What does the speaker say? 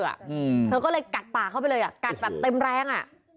อืมเธอก็เลยกัดปากเข้าไปเลยอ่ะกัดแบบเต็มแรงอ่ะ